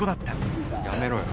やめろよ。